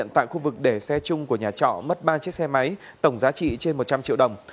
trọ mất ba chiếc xe máy tổng giá trị trên một trăm linh triệu đồng